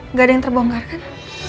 nggak ada yang terbongkar kan